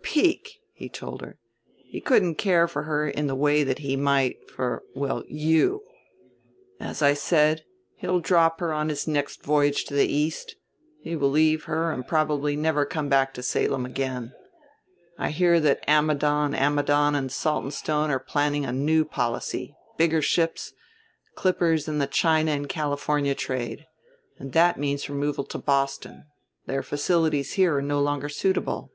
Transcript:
"Pique," he told her; "he couldn't care for her in the way he might for, well you. As I said, he'll drop her on his next voyage to the East; he will leave her and probably never come back to Salem again. I hear that Ammidon, Ammidon and Saltonstone are planning a new policy bigger ships, clippers in the China and California trade; and that means removal to Boston. Their facilities here are no longer suitable."